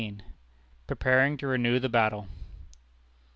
PREPARING TO RENEW THE BATTLE.